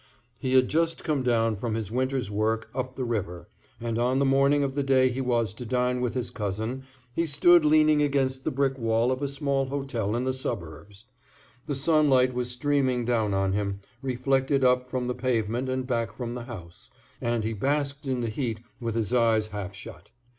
He had just come down from his winter's work up the river, and on the morning of the day he was to dine with his cousin he stood leaning against the brick wall of a small hotel in the suburbs. The sunlight was streaming down on him, reflected up from the pavement and back from the house, and he basked in the heat with his eyes half shut.